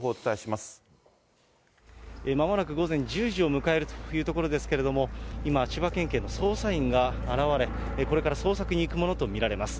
まもなく午前１０時を迎えるといったところですけれども、今、千葉県警の捜査員が現れ、これから捜索に行くものと見られます。